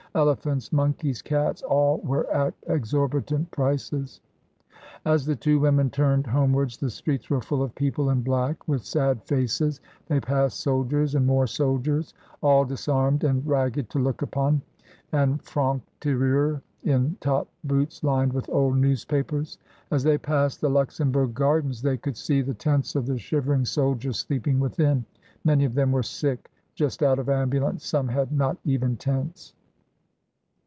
Elephants, monkeys, cats, all were at exorbitant prices." As the two women turned homewards, the streets were full of people in black, with sad faces; they passed soldiers and more soldiers, all disarmed and ragged to look upon, and Francs Tireurs in top boots lined with old newspapers. As they passed the Luxembourg Gardens they could see the tents of the shivering soldiers sleeping within. Many of them were sick, just out of ambulance, some had not even tents.